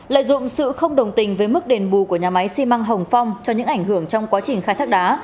lợi dụng sự không đồng tình với mức đền bù của nhà máy xi măng hồng phong cho những ảnh hưởng trong quá trình khai thác đá